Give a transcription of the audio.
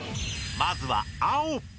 まずは青！